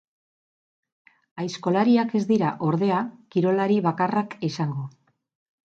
Aizkolariak ez dira, ordea, kirolari bakarrak izango.